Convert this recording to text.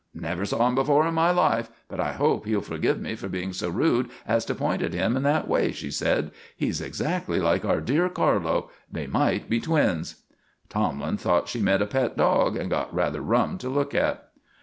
"Never saw him before in my life; but I hope he'll forgive me for being so rude as to point at him in that way," she said. "He's exactly like our dear Carlo; they might be twins." Tomlin thought she meant a pet dog, and got rather rum to look at.